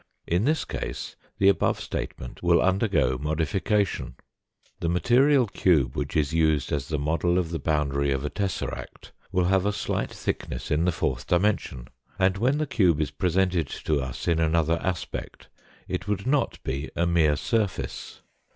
In this case the above statement will undergo modification. The material cube which is used as the model of the boundary of a tesseract will have a slight thickness in the fourth dimension, and when the cube is 184 THE FOURTH DIMENSION presented to us in another aspect, it would not be a mere surface.